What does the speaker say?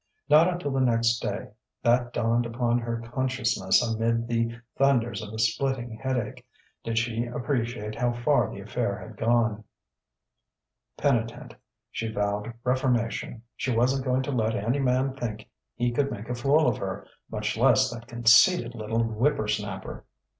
Not until the next day, that dawned upon her consciousness amid the thunders of a splitting headache, did she appreciate how far the affair had gone. Penitent, she vowed reformation. She wasn't going to let any man think he could make a fool of her, much less that conceited little whippersnapper.